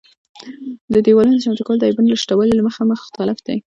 د دېوالونو چمتو کول د عیبونو له شتوالي له مخې مختلف دي.